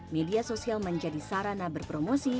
media sosial menjadi sarana berpromosi